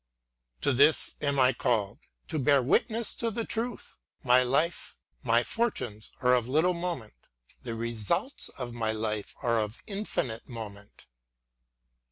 To this am I called, to bear witness to the Truth ; my life, my fortunes are of little moment, — the results of my life are of infinite moment.